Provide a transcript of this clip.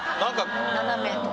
斜めとか。